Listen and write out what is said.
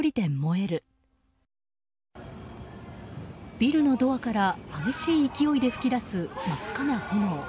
ビルのドアから激しい勢いで噴き出す真っ赤な炎。